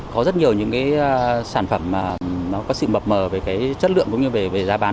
có rất nhiều những sản phẩm có sự mập mờ về chất lượng cũng như về giá bán